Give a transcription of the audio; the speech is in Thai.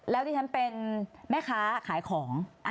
แล้วที่ฉันเป็นแม่ค้าขายของ